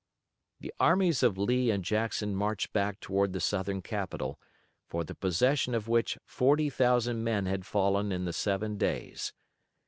The armies of Lee and Jackson marched back toward the Southern capital, for the possession of which forty thousand men had fallen in the Seven Days.